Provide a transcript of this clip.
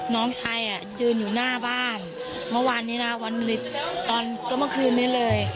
น้องชายอ่ะยืนอยู่หน้าบ้านเมื่อวานนี้นะวันตอนก็เมื่อคืนนี้เลย